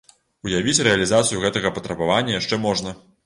Уявіць рэалізацыю гэтага патрабавання яшчэ можна.